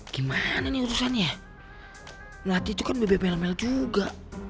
gimana nih urusannya melati itu kan bebe mel mel juga